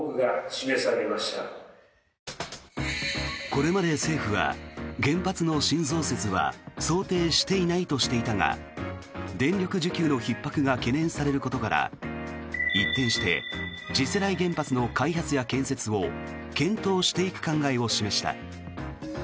これまで政府は原発の新増設は想定していないとしていたが電力需給のひっ迫が懸念されることから一転して次世代原発の開発や建設を検討していく考えを示した。